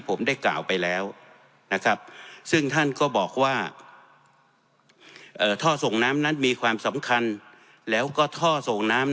ผมได้กล่าวไปแล้วนะครับซึ่งท่านก็บอกว่าท่อส่งน้ำนั้นมีความสำคัญแล้วก็ท่อส่งน้ำ